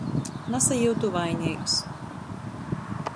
Nasajiutu vaineigs.